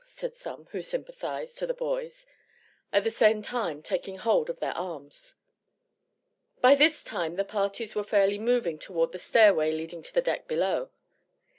said some, who sympathized, to the boys, at the same time taking hold of their arms. By this time the parties were fairly moving toward the stairway leading to the deck below.